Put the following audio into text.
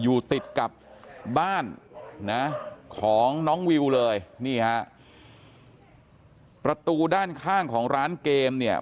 อยู่ติดกับบ้านนะของน้องวิวเลยนี่ฮะประตูด้านข้างของร้านเกมเนี่ย